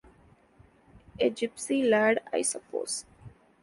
A gipsy lad, I suppose.